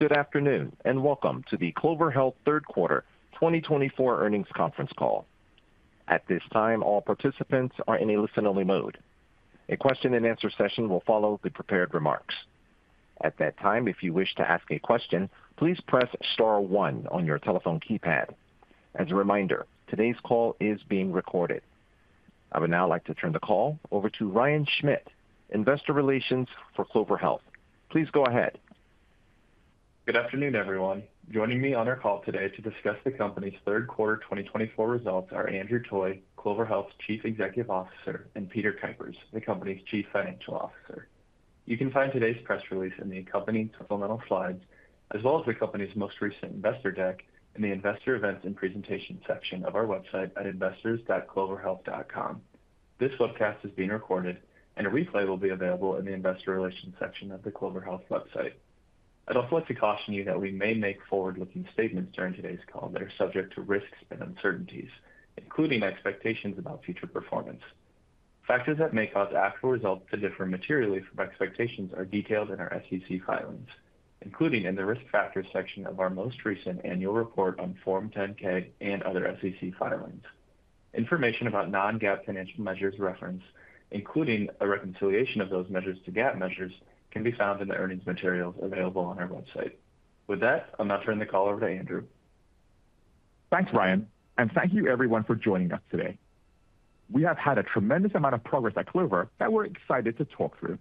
Good afternoon and welcome to the Clover Health Third Quarter 2024 Earnings Conference Call. At this time, all participants are in a listen-only mode. A question-and-answer session will follow the prepared remarks. At that time, if you wish to ask a question, please press star one on your telephone keypad. As a reminder, today's call is being recorded. I would now like to turn the call over to Ryan Schmidt, Investor Relations for Clover Health. Please go ahead. Good afternoon, everyone. Joining me on our call today to discuss the company's Third Quarter 2024 results are Andrew Toy, Clover Health's Chief Executive Officer, and Peter Kuipers, the company's Chief Financial Officer. You can find today's press release in the company's supplemental slides, as well as the company's most recent investor deck in the Investor Events and Presentations section of our website at investors.cloverhealth.com. This webcast is being recorded, and a replay will be available in the Investor Relations section of the Clover Health website. I'd also like to caution you that we may make forward-looking statements during today's call that are subject to risks and uncertainties, including expectations about future performance. Factors that may cause actual results to differ materially from expectations are detailed in our SEC filings, including in the Risk Factors section of our most recent annual report on Form 10-K and other SEC filings. Information about non-GAAP financial measures referenced, including a reconciliation of those measures to GAAP measures, can be found in the earnings materials available on our website. With that, I'm now turning the call over to Andrew. Thanks, Ryan, and thank you, everyone, for joining us today. We have had a tremendous amount of progress at Clover that we're excited to talk through.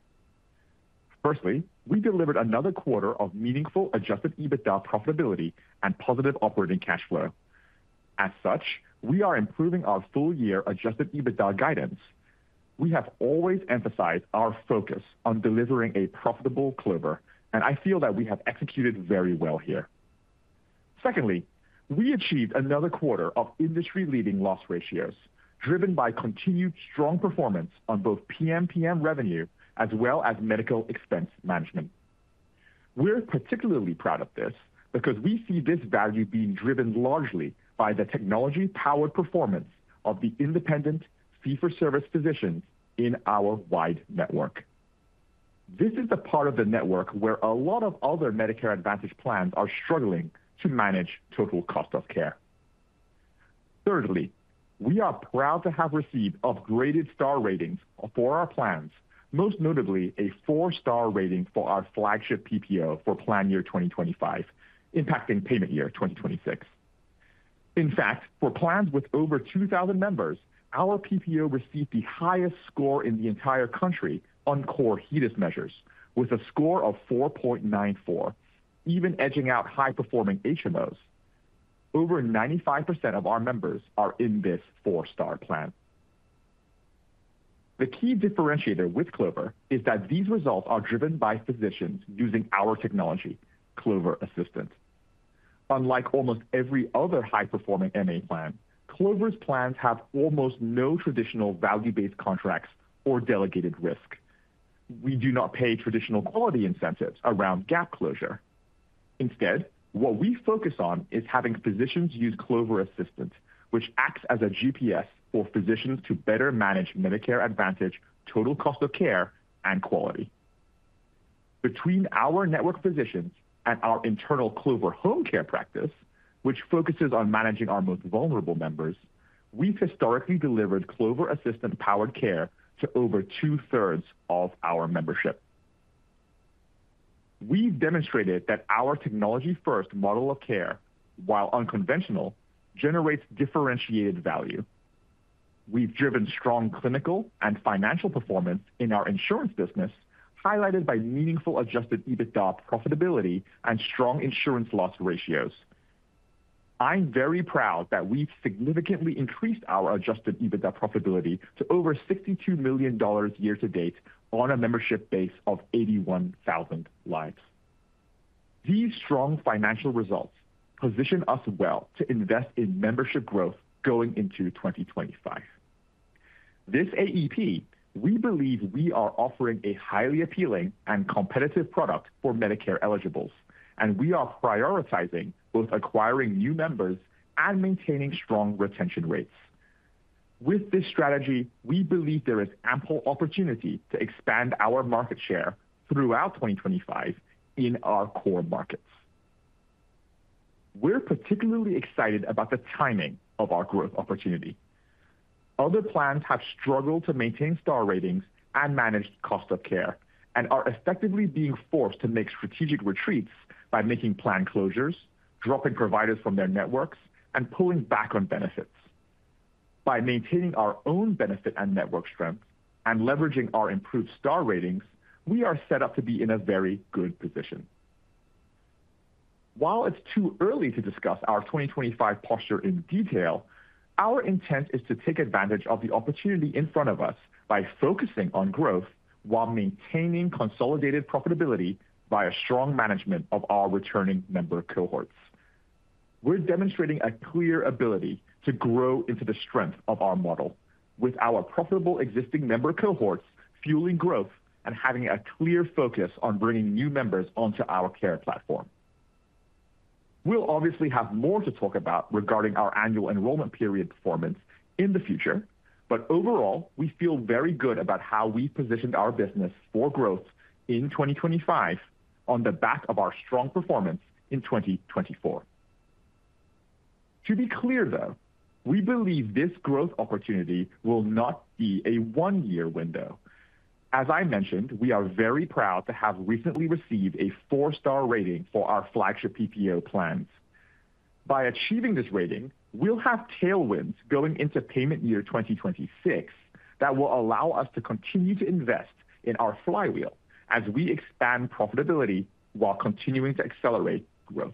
Firstly, we delivered another quarter of meaningful adjusted EBITDA profitability and positive operating cash flow. As such, we are improving our full-year adjusted EBITDA guidance. We have always emphasized our focus on delivering a profitable Clover, and I feel that we have executed very well here. Secondly, we achieved another quarter of industry-leading loss ratios, driven by continued strong performance on both PMPM revenue as well as medical expense management. We're particularly proud of this because we see this value being driven largely by the technology-powered performance of the independent fee-for-service physicians in our wide network. This is the part of the network where a lot of other Medicare Advantage plans are struggling to manage total cost of care. Thirdly, we are proud to have received upgraded Star Ratings for our plans, most notably a four-star rating for our flagship PPO for plan year 2025, impacting payment year 2026. In fact, for plans with over 2,000 members, our PPO received the highest score in the entire country on core HEDIS measures, with a score of 4.94, even edging out high-performing HMOs. Over 95% of our members are in this four-star plan. The key differentiator with Clover is that these results are driven by physicians using our technology, Clover Assistant. Unlike almost every other high-performing MA plan, Clover's plans have almost no traditional value-based contracts or delegated risk. We do not pay traditional quality incentives around gap closure. Instead, what we focus on is having physicians use Clover Assistant, which acts as a GPS for physicians to better manage Medicare Advantage, total cost of care, and quality. Between our network physicians and our internal Clover Home Care practice, which focuses on managing our most vulnerable members, we've historically delivered Clover Assistant-powered care to over 2/3 of our membership. We've demonstrated that our technology-first model of care, while unconventional, generates differentiated value. We've driven strong clinical and financial performance in our insurance business, highlighted by meaningful adjusted EBITDA profitability and strong insurance loss ratios. I'm very proud that we've significantly increased our adjusted EBITDA profitability to over $62 million year-to-date on a membership base of 81,000 lives. These strong financial results position us well to invest in membership growth going into 2025. This AEP, we believe we are offering a highly appealing and competitive product for Medicare eligibles, and we are prioritizing both acquiring new members and maintaining strong retention rates. With this strategy, we believe there is ample opportunity to expand our market share throughout 2025 in our core markets. We're particularly excited about the timing of our growth opportunity. Other plans have struggled to maintain Star Ratings and manage cost of care and are effectively being forced to make strategic retreats by making plan closures, dropping providers from their networks, and pulling back on benefits. By maintaining our own benefit and network strength and leveraging our improved Star Ratings, we are set up to be in a very good position. While it's too early to discuss our 2025 posture in detail, our intent is to take advantage of the opportunity in front of us by focusing on growth while maintaining consolidated profitability via strong management of our returning member cohorts. We're demonstrating a clear ability to grow into the strength of our model, with our profitable existing member cohorts fueling growth and having a clear focus on bringing new members onto our care platform. We'll obviously have more to talk about regarding our Annual Enrollment Period performance in the future, but overall, we feel very good about how we've positioned our business for growth in 2025 on the back of our strong performance in 2024. To be clear, though, we believe this growth opportunity will not be a one-year window. As I mentioned, we are very proud to have recently received a four-star rating for our flagship PPO plans. By achieving this rating, we'll have tailwinds going into payment year 2026 that will allow us to continue to invest in our flywheel as we expand profitability while continuing to accelerate growth.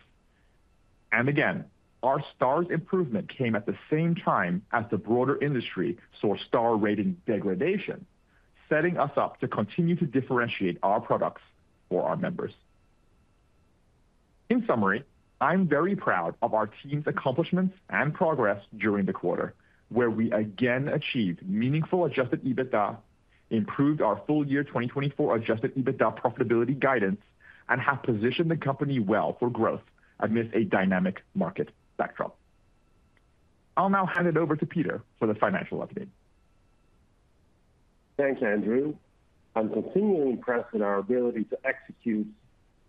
Again, our Star Ratings improvement came at the same time as the broader industry saw Star Ratings degradation, setting us up to continue to differentiate our products for our members. In summary, I'm very proud of our team's accomplishments and progress during the quarter, where we again achieved meaningful adjusted EBITDA, improved our full-year 2024 adjusted EBITDA profitability guidance, and have positioned the company well for growth amidst a dynamic market backdrop. I'll now hand it over to Peter for the financial update. Thanks, Andrew. I'm continually impressed with our ability to execute,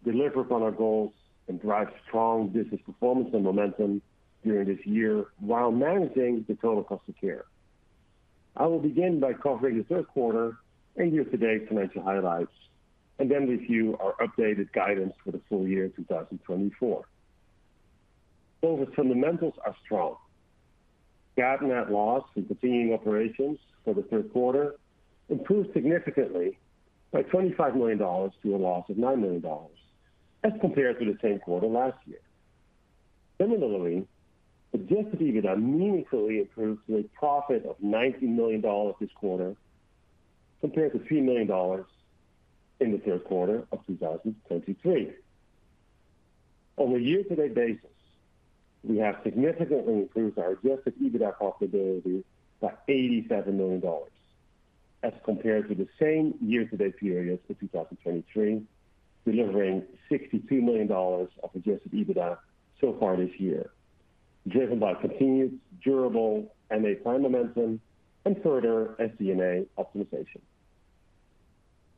deliver upon our goals, and drive strong business performance and momentum during this year while managing the total cost of care. I will begin by covering the third quarter and year-to-date financial highlights, and then review our updated guidance for the full year 2024. Clover's fundamentals are strong. GAAP net loss from continuing operations for the third quarter improved significantly by $25 million to a loss of $9 million as compared to the same quarter last year. Similarly, adjusted EBITDA meaningfully improved to a profit of $90 million this quarter compared to $3 million in the third quarter of 2023. On a year-to-date basis, we have significantly improved our adjusted EBITDA profitability by $87 million as compared to the same year-to-date period for 2023, delivering $62 million of adjusted EBITDA so far this year, driven by continued durable MA plan momentum and further SG&A optimization.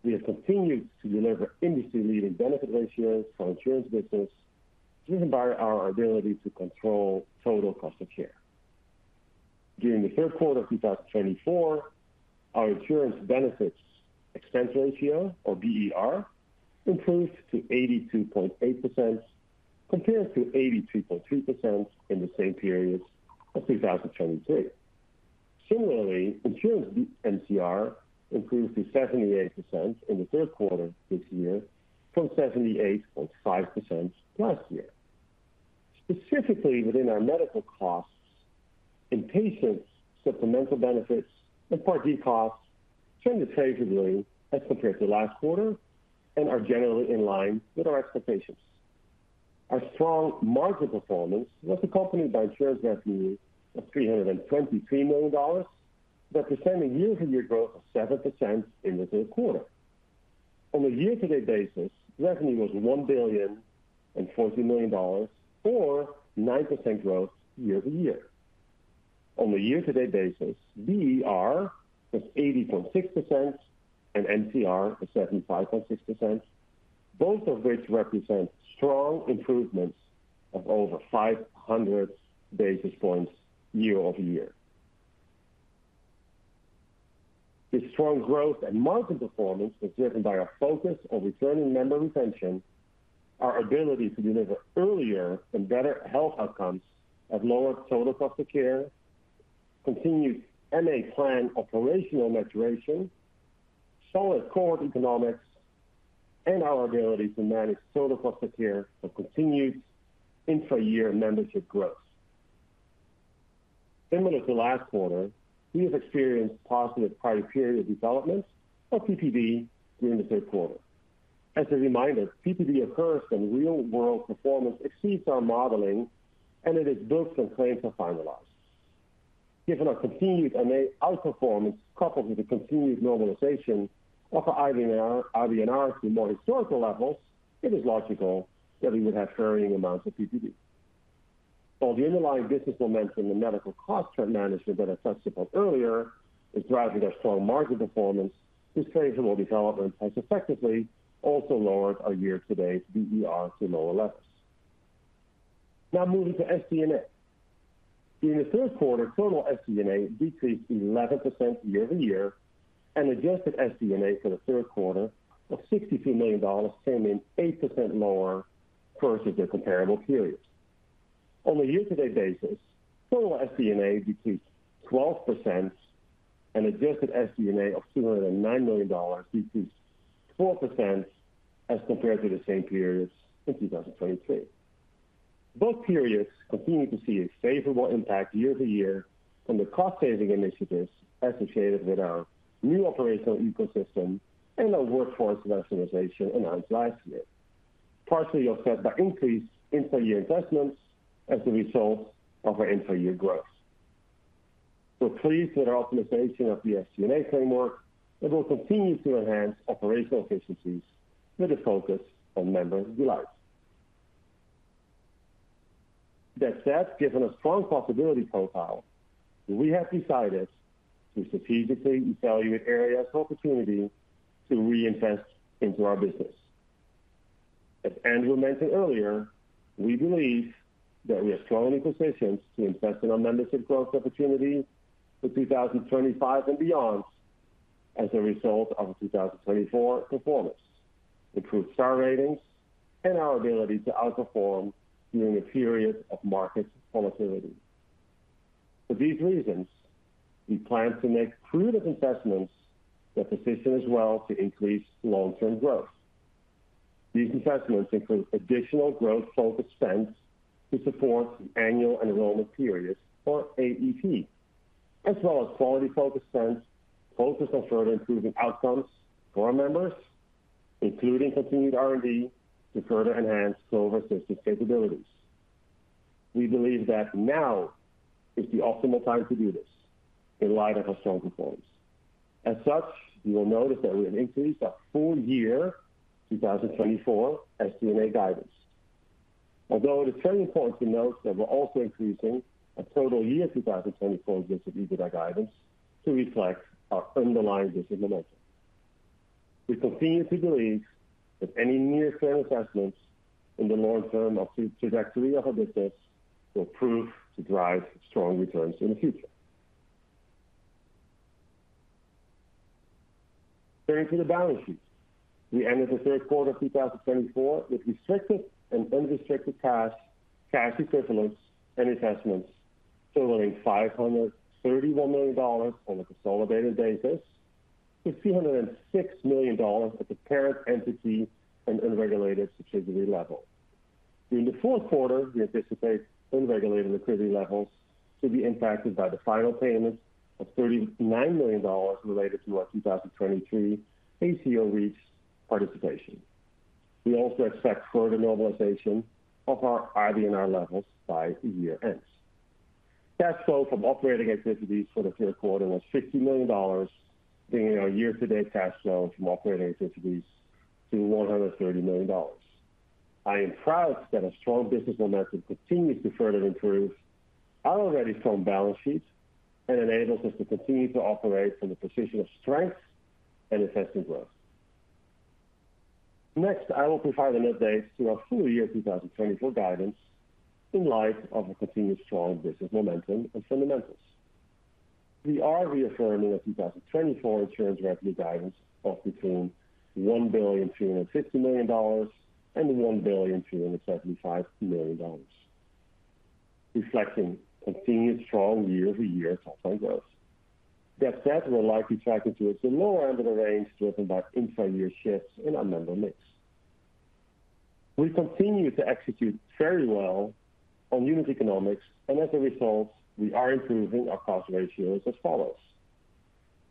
We have continued to deliver industry-leading benefit ratios for insurance business, driven by our ability to control total cost of care. During the third quarter of 2024, our insurance benefits expense ratio, or BER, improved to 82.8% compared to 83.3% in the same period of 2023. Similarly, insurance MCR improved to 78% in the third quarter this year from 78.5% last year. Specifically, within our medical costs, inpatient, supplemental benefits, and Part D costs trended favorably as compared to last quarter and are generally in line with our expectations. Our strong margin performance was accompanied by insurance revenue of $323 million, representing year-to-year growth of 7% in the third quarter. On a year-to-date basis, revenue was $1 billion and $40 million, or 9% growth year-to-year. On a year-to-date basis, BER was 80.6% and MCR was 75.6%, both of which represent strong improvements of over 500 basis points year-over-year. This strong growth and margin performance was driven by our focus on returning member retention, our ability to deliver earlier and better health outcomes at lower total cost of care, continued MA plan operational maturation, solid core economics, and our ability to manage total cost of care for continued intra-year membership growth. Similar to last quarter, we have experienced positive Prior Period Development, or PPD during the third quarter. As a reminder, PPD occurs when real-world performance exceeds our modeling, and it is booked when claims are finalized. Given our continued MA outperformance coupled with the continued normalization of our IBNR to more historical levels, it is logical that we would have varying amounts of PPD. While the underlying business momentum and medical cost trend management that I touched upon earlier is driving our strong margin performance, this favorable development has effectively also lowered our year-to-date BER to lower levels. Now moving to SG&A. During the third quarter, total SG&A decreased 11% year-over-year, and adjusted SG&A for the third quarter of $62 million came in 8% lower versus their comparable periods. On a year-to-date basis, total SG&A decreased 12%, and adjusted SG&A of $209 million decreased 4% as compared to the same period in 2023. Both periods continue to see a favorable impact year-over-year from the cost-saving initiatives associated with our new operational ecosystem and our workforce rationalization announced last year, partially offset by increased intra-year investments as a result of our intra-year growth. We're pleased with our optimization of the SG&A framework, and we'll continue to enhance operational efficiencies with a focus on member delight. That said, given a strong profitability profile, we have decided to strategically evaluate areas of opportunity to reinvest into our business. As Andrew mentioned earlier, we believe that we have strongly positioned to invest in our membership growth opportunity for 2025 and beyond as a result of our 2024 performance, improved Star Ratings, and our ability to outperform during a period of market volatility. For these reasons, we plan to make proven investments that position us well to increase long-term growth. These investments include additional growth-focused spend to support Annual Enrollment Periods, or AEP, as well as quality-focused spend focused on further improving outcomes for our members, including continued R&D to further enhance Clover Assistant capabilities. We believe that now is the optimal time to do this in light of our strong performance. As such, you will notice that we have increased our full-year 2024 SG&A guidance. Although it is very important to note that we're also increasing our full-year 2024 adjusted EBITDA guidance to reflect our underlying business momentum. We continue to believe that any near-term investments in the long-term trajectory of our business will prove to drive strong returns in the future. Turning to the balance sheet, we ended the third quarter of 2024 with restricted and unrestricted cash equivalents and investments totaling $531 million on a consolidated basis to $206 million at the parent entity and unregulated subsidiary level. During the fourth quarter, we anticipate unregulated liquidity levels to be impacted by the final payment of $39 million related to our 2023 ACO REACH participation. We also expect further normalization of our IBNR levels by year-end. Cash flow from operating activities for the third quarter was $50 million, bringing our year-to-date cash flow from operating activities to $130 million. I am proud that our strong business momentum continues to further improve our already strong balance sheet and enables us to continue to operate from the position of strength and investment growth. Next, I will provide an update to our full-year 2024 guidance in light of our continued strong business momentum and fundamentals. We are reaffirming our 2024 insurance revenue guidance of between $1,250 million and $1,275 million, reflecting continued strong year-over-year top-line growth. That said, we're likely tracking towards the lower end of the range driven by intra-year shifts in our member mix. We've continued to execute very well on unit economics, and as a result, we are improving our cost ratios as follows.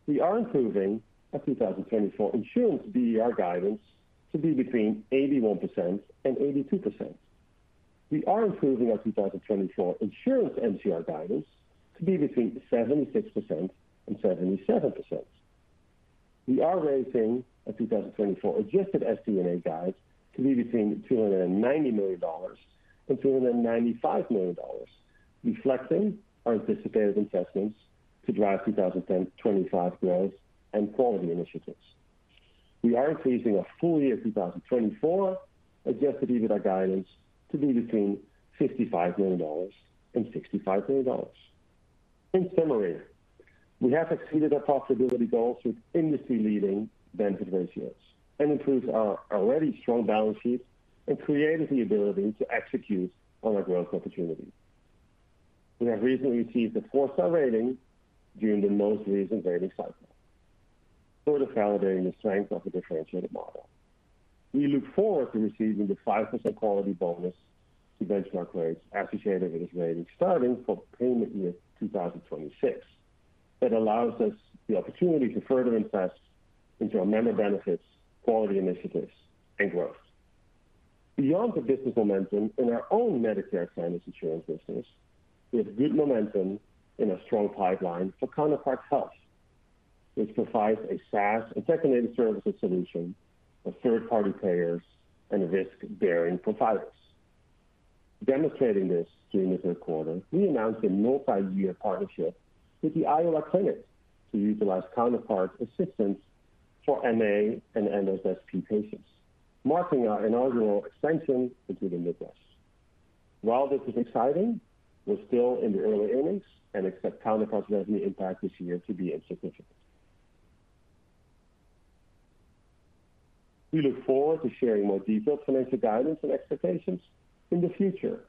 We are improving our 2024 insurance BER guidance to be between 81% and 82%. We are improving our 2024 insurance MCR guidance to be between 76% and 77%. We are raising our 2024 adjusted SG&A guide to be between $290 million and $295 million, reflecting our anticipated investments to drive 2025 growth and quality initiatives. We are increasing our full-year 2024 adjusted EBITDA guidance to be between $55 million and $65 million. In summary, we have exceeded our profitability goals with industry-leading benefit ratios and improved our already strong balance sheet and created the ability to execute on our growth opportunity. We have recently received a four-star rating during the most recent rating cycle, further validating the strength of the differentiated model. We look forward to receiving the 5% quality bonus to benchmark rates associated with this rating, starting for payment year 2026, that allows us the opportunity to further invest into our member benefits, quality initiatives, and growth. Beyond the business momentum in our own Medicare Advantage insurance business, we have good momentum in our strong pipeline for Counterpart Health, which provides a SaaS and tech-enabled services solution for third-party payers and risk-bearing providers. Demonstrating this during the third quarter, we announced a multi-year partnership with The Iowa Clinic to utilize Counterpart Assistant for MA and MSSP patients, marking our inaugural extension into the Midwest. While this is exciting, we're still in the early innings and expect Counterpart's revenue impact this year to be insignificant. We look forward to sharing more detailed financial guidance and expectations in the future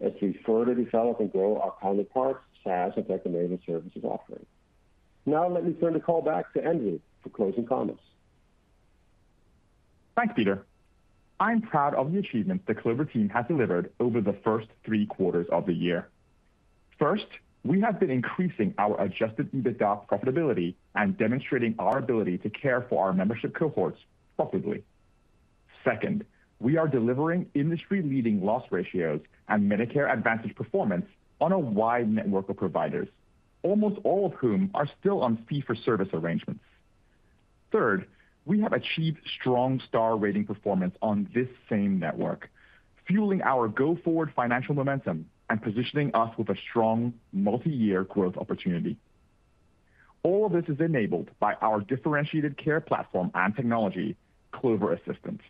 as we further develop and grow our Counterpart SaaS and secondary services offering. Now, let me turn the call back to Andrew for closing comments. Thanks, Peter. I'm proud of the achievements the Clover team has delivered over the first three quarters of the year. First, we have been increasing our adjusted EBITDA profitability and demonstrating our ability to care for our membership cohorts profitably. Second, we are delivering industry-leading loss ratios and Medicare Advantage performance on a wide network of providers, almost all of whom are still on fee-for-service arrangements. Third, we have achieved strong star rating performance on this same network, fueling our go-forward financial momentum and positioning us with a strong multi-year growth opportunity. All of this is enabled by our differentiated care platform and technology, Clover Assistant.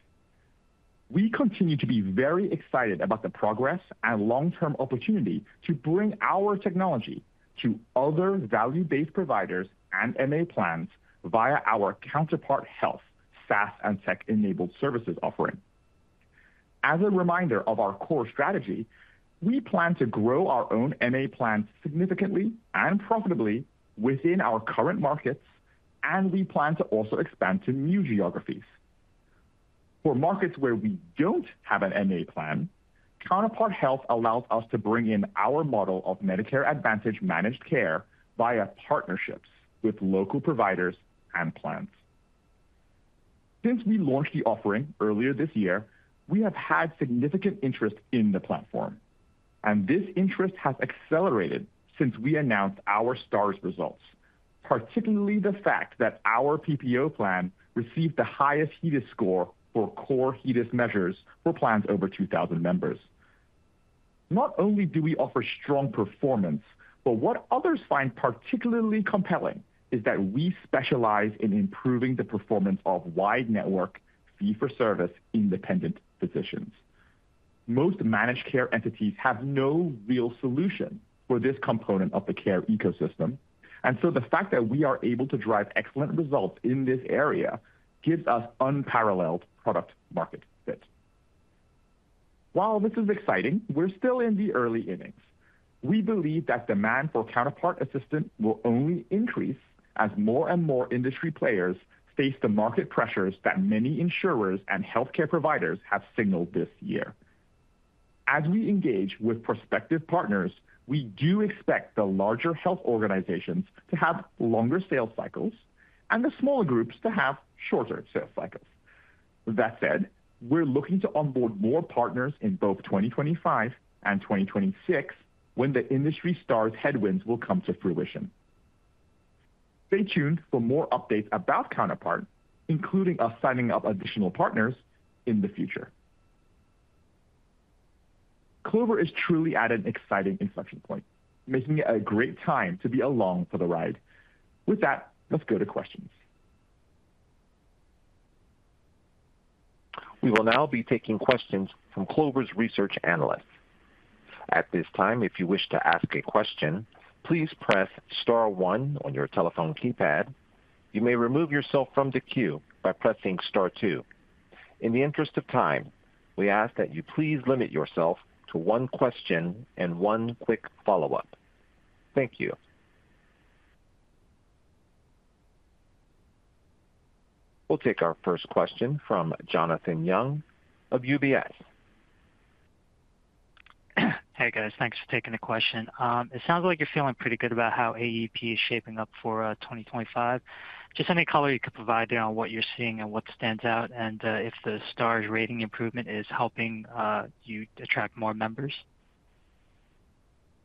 We continue to be very excited about the progress and long-term opportunity to bring our technology to other value-based providers and MA plans via our Counterpart Health SaaS and tech-enabled services offering. As a reminder of our core strategy, we plan to grow our own MA plans significantly and profitably within our current markets, and we plan to also expand to new geographies. For markets where we don't have an MA plan, Counterpart Health allows us to bring in our model of Medicare Advantage managed care via partnerships with local providers and plans. Since we launched the offering earlier this year, we have had significant interest in the platform, and this interest has accelerated since we announced our Star Ratings, particularly the fact that our PPO plan received the highest HEDIS score for core HEDIS measures for plans over 2,000 members. Not only do we offer strong performance, but what others find particularly compelling is that we specialize in improving the performance of wide-network fee-for-service independent physicians. Most managed care entities have no real solution for this component of the care ecosystem, and so the fact that we are able to drive excellent results in this area gives us unparalleled product-market fit. While this is exciting, we're still in the early innings. We believe that demand for Counterpart Assistant will only increase as more and more industry players face the market pressures that many insurers and healthcare providers have signaled this year. As we engage with prospective partners, we do expect the larger health organizations to have longer sales cycles and the smaller groups to have shorter sales cycles. That said, we're looking to onboard more partners in both 2025 and 2026 when the industry Stars headwinds will come to fruition. Stay tuned for more updates about Counterpart, including us signing up additional partners in the future. Clover has truly added an exciting inflection point, making it a great time to be along for the ride. With that, let's go to questions. We will now be taking questions from Clover's research analysts. At this time, if you wish to ask a question, please press star one on your telephone keypad. You may remove yourself from the queue by pressing star two. In the interest of time, we ask that you please limit yourself to one question and one quick follow-up. Thank you. We'll take our first question from Jonathan Yong of UBS. Hey, guys. Thanks for taking the question. It sounds like you're feeling pretty good about how AEP is shaping up for 2025. Just any color you could provide there on what you're seeing and what stands out and if the Star Ratings improvement is helping you attract more members?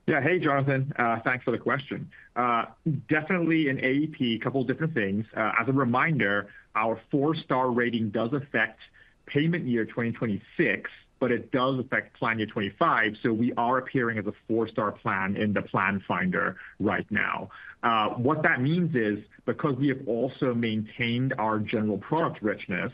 Yeah. Hey, Jonathan. Thanks for the question. Definitely in AEP, a couple of different things. As a reminder, our four-star rating does affect payment year 2026, but it does affect plan year 2025, so we are appearing as a four-star plan in the Plan Finder right now. What that means is because we have also maintained our general product richness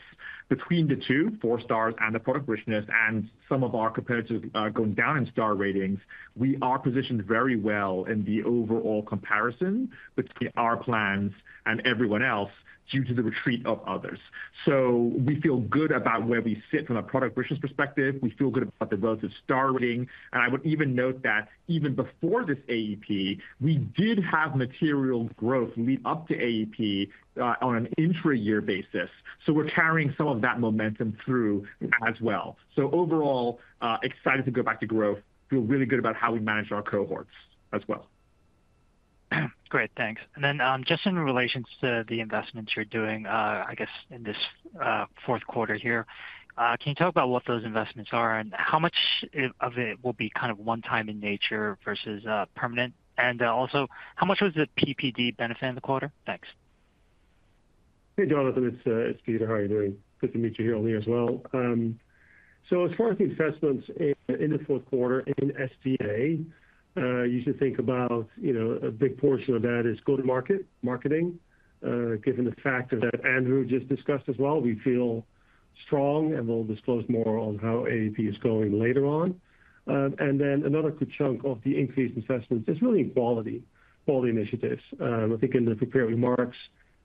between the two, four stars and the product richness, and some of our competitors are going down in star ratings, we are positioned very well in the overall comparison between our plans and everyone else due to the retreat of others. So we feel good about where we sit from a product richness perspective. We feel good about the relative star rating. And I would even note that even before this AEP, we did have material growth lead up to AEP on an intra-year basis. So we're carrying some of that momentum through as well. So overall, excited to go back to growth. Feel really good about how we manage our cohorts as well. Great. Thanks. And then just in relation to the investments you're doing, I guess, in this fourth quarter here, can you talk about what those investments are and how much of it will be kind of one-time in nature versus permanent? And also, how much was the PPD benefit in the quarter? Thanks. Hey, Jonathan. It's Peter. How are you doing? Good to meet you here on the air as well. So as far as the investments in the fourth quarter in SG&A, you should think about a big portion of that is go-to-market marketing, given the fact that Andrew just discussed as well. We feel strong, and we'll disclose more on how AEP is going later on. And then another good chunk of the increased investments is really in quality initiatives. I think in the prepared remarks,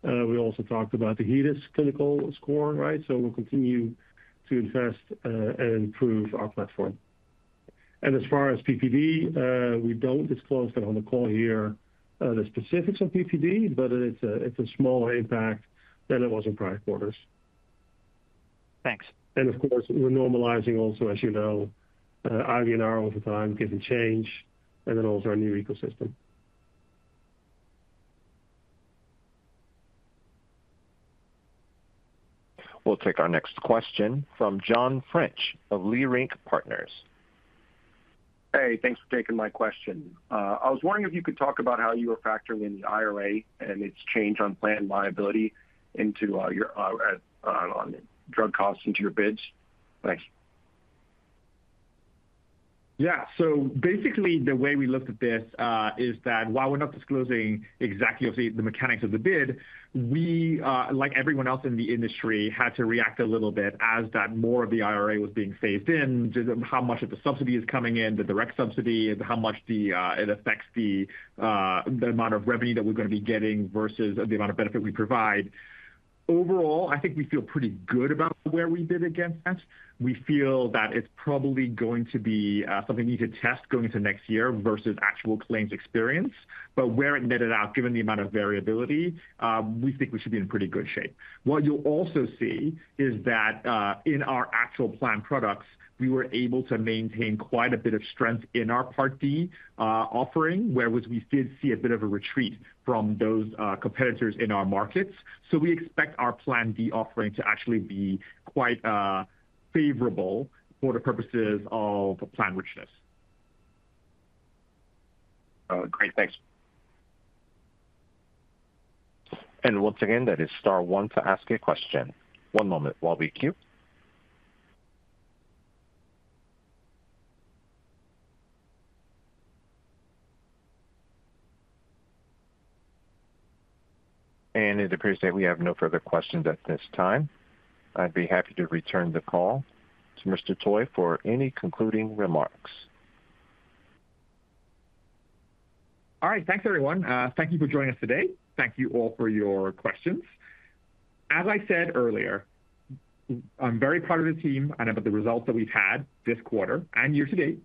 we also talked about the HEDIS clinical score, right? So we'll continue to invest and improve our platform. And as far as PPD, we don't disclose that on the call here, the specifics of PPD, but it's a smaller impact than it was in prior quarters. Thanks. Of course, we're normalizing also, as you know, IBNR over time given change and then also our new ecosystem. We'll take our next question from John French of Leerink Partners. Hey, thanks for taking my question. I was wondering if you could talk about how you are factoring in the IRA and its change on plan liability into your drug costs into your bids? Thanks. Yeah. So basically, the way we looked at this is that while we're not disclosing exactly the mechanics of the bid, we, like everyone else in the industry, had to react a little bit as that more of the IRA was being phased in, how much of the subsidy is coming in, the direct subsidy, and how much it affects the amount of revenue that we're going to be getting versus the amount of benefit we provide. Overall, I think we feel pretty good about where we bid against that. We feel that it's probably going to be something we need to test going into next year versus actual claims experience. But where it netted out, given the amount of variability, we think we should be in pretty good shape. What you'll also see is that in our actual plan products, we were able to maintain quite a bit of strength in our Part D offering, whereas we did see a bit of a retreat from those competitors in our markets. So we expect our Part D offering to actually be quite favorable for the purposes of plan richness. Great. Thanks. Once again, that is star one to ask a question. One moment while we queue. It appears that we have no further questions at this time. I'd be happy to return the call to Mr. Toy for any concluding remarks. All right. Thanks, everyone. Thank you for joining us today. Thank you all for your questions. As I said earlier, I'm very proud of the team and of the results that we've had this quarter and year to date.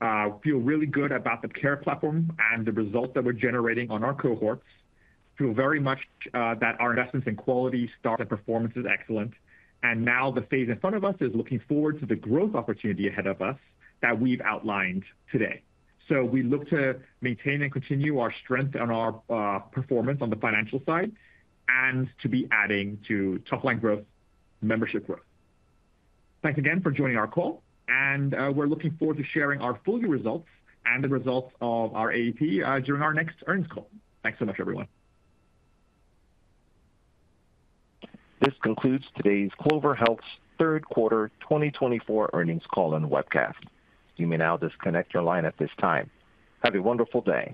I feel really good about the care platform and the results that we're generating on our cohorts. I feel very much that our investments in quality, Star and performance are excellent, and now the phase in front of us is looking forward to the growth opportunity ahead of us that we've outlined today, so we look to maintain and continue our strength and our performance on the financial side and to be adding to top-line growth, membership growth. Thanks again for joining our call, and we're looking forward to sharing our full-year results and the results of our AEP during our next earnings call. Thanks so much, everyone. This concludes today's Clover Health's third quarter 2024 earnings call and webcast. You may now disconnect your line at this time. Have a wonderful day.